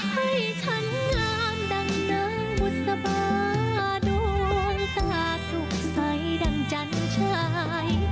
ให้ฉันงามดังนางบุษบาดวงตาสุขใสดังจันชาย